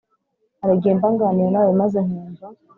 Hari igihe mba nganira na we maze nkumva